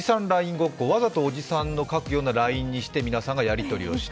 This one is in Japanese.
ごっこ、わざとおじさんの書くようなＬＩＮＥにして皆さんがやり取りをした。